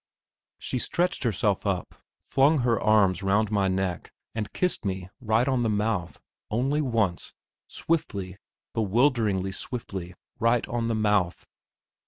She stretched herself up, flung her arms round my neck and kissed me right on the mouth only once, swiftly, bewilderingly swiftly, right on the mouth.